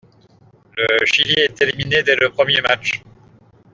Le Chili est éliminé dès le premier match.